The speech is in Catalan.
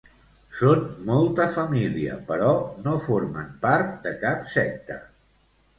Són molta família, però no formen part de cap secta.